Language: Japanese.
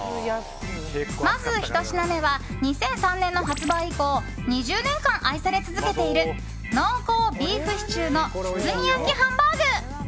まず１品目は２００３年の発売以降２０年間、愛され続けている濃厚ビーフシチューの包み焼きハンバーグ。